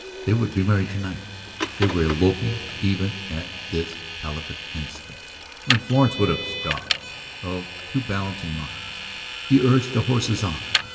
They would be married to night; they were eloping even at this palpitant instant! When Florence would have stopped, of two balancing minds, he urged the horses on.